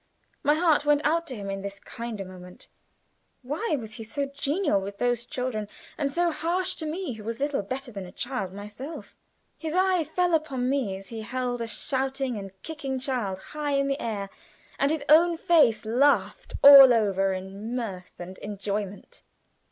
My heart went out to him in this kinder moment. Why was he so genial with those children and so harsh to me, who was little better than a child myself? His eye fell upon me as he held a shouting and kicking child high in the air, and his own face laughed all over in mirth and enjoyment.